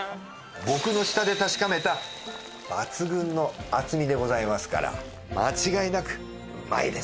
僕の舌で確かめた抜群の厚みでございますから間違いなくうまいです。